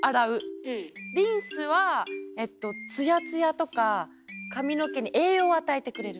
リンスはつやつやとか髪の毛に栄養を与えてくれる。